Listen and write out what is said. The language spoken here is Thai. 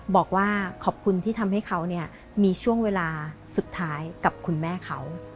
บอกว่าขอบคุณที่ทำให้เขามีช่วงเวลาสุดท้ายกับคุณแม่เขา